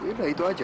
ya udah itu aja